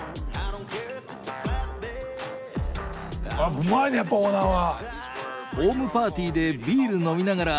うまいねやっぱオーナーは。